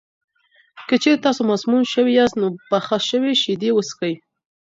که چېرې تاسو مسموم شوي یاست، نو پخه شوې شیدې وڅښئ.